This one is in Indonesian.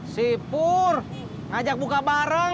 si pur ngajak buka bareng